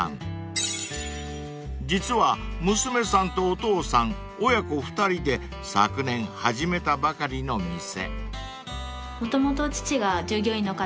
［実は娘さんとお父さん親子２人で昨年始めたばかりの店］